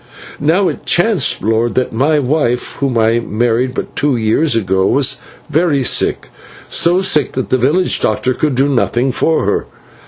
"Now it chanced, lord, that my wife, whom I married but two years ago, was very sick so sick that the village doctor could do nothing for her.